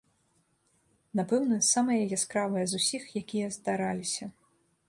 Напэўна, самае яскравае з усіх, якія здараліся.